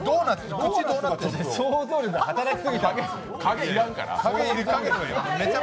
想像力が働き過ぎたの。